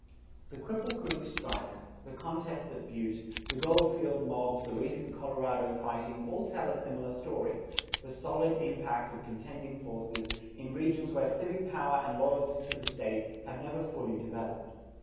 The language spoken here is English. The Cripple Creek strikes, the contests at Butte, the Goldfield mobs, the recent Colorado fighting, all tell a similar story, the solid impact of contending forces in regions where civic power and loyalty to the State have never fully developed.